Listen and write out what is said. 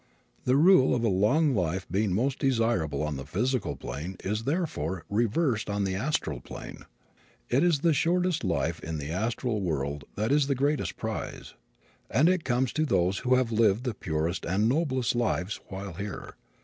The rule of a long life being most desirable on the physical plane is, therefore, reversed on the astral plane. It is the shortest life in the astral world that is the greatest prize, and it comes to those who have lived the purest and noblest lives while here.